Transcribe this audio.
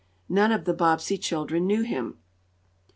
None of the Bobbsey children knew him.